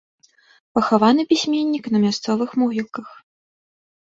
Пахаваны пісьменнік на мясцовых могілках.